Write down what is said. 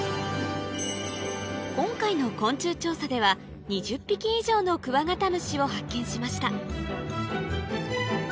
今回の昆虫調査では２０匹以上のクワガタムシを発見しました